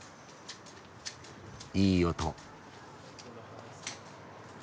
・いい音。